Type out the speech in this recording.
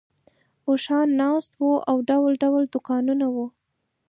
اوښان ناست وو او ډول ډول دوکانونه وو.